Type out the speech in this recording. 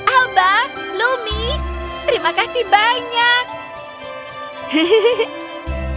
alba lumi terima kasih banyak